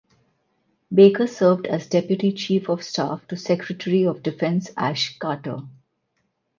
Baker served as deputy chief of staff to Secretary of Defense Ash Carter.